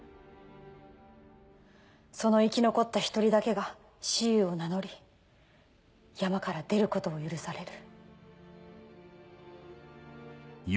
その生き残った１人だけが蚩尤を名乗り山から出ることを許される。